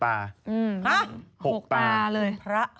๖ตาเลย